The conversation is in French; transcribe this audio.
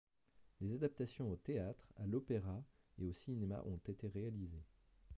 Des adaptations au théâtre, à l'opéra et au cinéma ont été réalisées.